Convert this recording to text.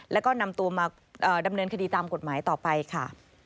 แล้วก็นำตัวมาดำเนินคดีตามกฎหมายต่อไปค่ะ